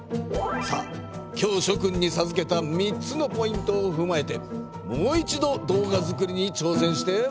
さあ今日しょ君にさずけた３つのポイントをふまえてもう一度動画作りに挑戦してもらおう。